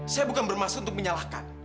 saya bukan bermaksud untuk menyalahkan